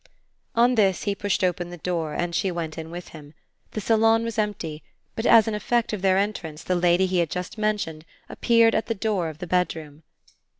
On this he pushed open the door and she went in with him. The salon was empty, but as an effect of their entrance the lady he had just mentioned appeared at the door of the bedroom.